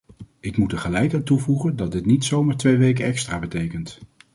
Ik moet er gelijk aan toevoegen dat dit niet zomaar twee weken extra betekent.